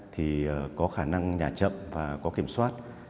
thì có khả năng nhà chậm và có kiểm soát